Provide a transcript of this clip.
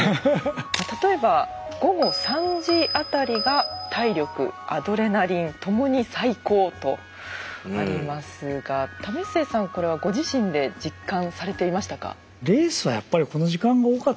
例えば午後３時あたりが体力アドレナリンともに最高とありますが為末さんこれはご自身で実感されていましたか？